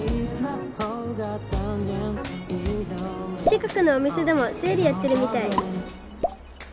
近くのお店でもセールやってるみたい！